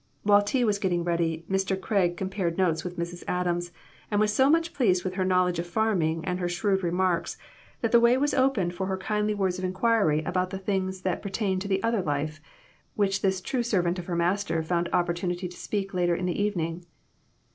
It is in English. While tea was getting ready Mr. Craig com pared notes with Mrs. Adams, and was so much pleased with her knowledge of farming and her shrewd remarks, that the way was opened for her IIO IMPROMPTU VISITS. kindly words of inquiry about the things that per tain to the other life, which this true servant of her Master found opportunity to speak later in the evening.